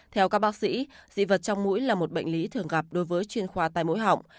theo các bác sĩ dị vật trong mũi là một bệnh lý thường gặp đối với chuyên khoa tai mũi họng